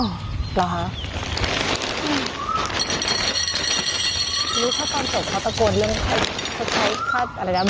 หรอฮะหือหรือถ้าก่อนตกเขาตะโกนเรื่องเขาเขาใช้ค่าอะไรนะ